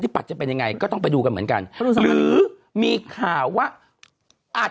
ปัตย์จะเป็นยังไงก็ต้องไปดูกันเหมือนกันหรือมีข่าวว่าอาจ